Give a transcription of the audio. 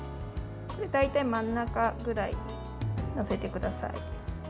大体真ん中ぐらいに載せてください。